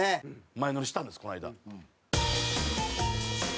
前乗りしたんですこの間。